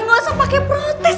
gak usah pake protes